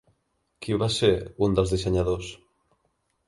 Qui va ser un dels dissenyadors?